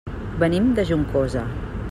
Venim de Juncosa.